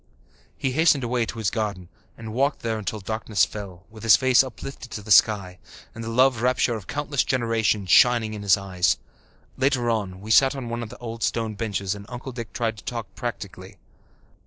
He hastened away to his garden and walked there until darkness fell, with his face uplifted to the sky, and the love rapture of countless generations shining in his eyes. Later on, we sat on one of the old stone benches and Uncle Dick tried to talk practically.